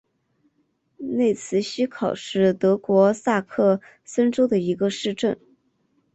内茨希考是德国萨克森州的一个市镇。